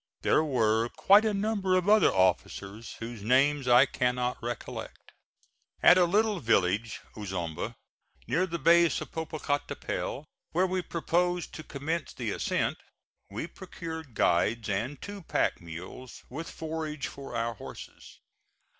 There were quite a number of other officers, whose names I cannot recollect. At a little village (Ozumba) near the base of Popocatapetl, where we purposed to commence the ascent, we procured guides and two pack mules with forage for our horses.